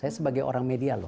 saya sebagai orang media loh